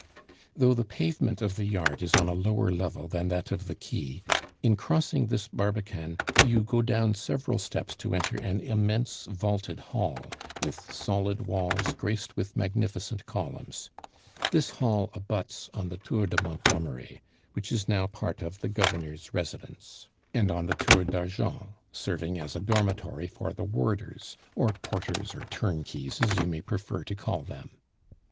Though the pavement of the yard is on a lower level than that of the quay, in crossing this Barbican you go down several steps to enter an immense vaulted hall, with solid walls graced with magnificent columns. This hall abuts on the Tour de Montgomery which is now part of the governor's residence and on the Tour d'Argent, serving as a dormitory for the warders, or porters, or turnkeys, as you may prefer to call them.